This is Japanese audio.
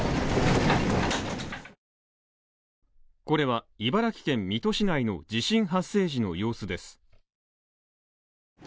これは茨城県水戸市内の地震発生時の様子です。